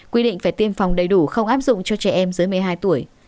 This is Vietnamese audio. quy định phải tiêm phòng đầy đủ không áp dụng cho trẻ em dưới một mươi hai tuổi